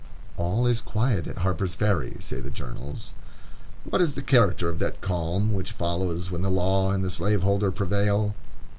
"All is quiet at Harper's Ferry," say the journals. What is the character of that calm which follows when the law and the slaveholder prevail?